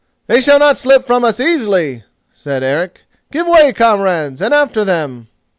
"They shall not slip from us so easily," said Eric; "give way, comrades, and after them."